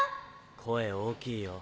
声大きいよ。